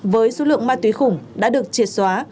với số lượng ma túy khủng đã được triệt xóa